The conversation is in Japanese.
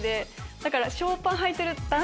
だから。